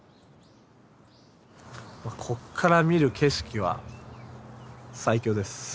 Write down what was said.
こっから見る景色は最強です。